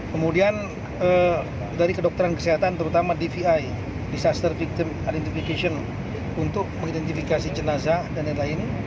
kemudian dari kedokteran kesehatan terutama dvi disaster victim identification untuk mengidentifikasi jenazah dan lain lain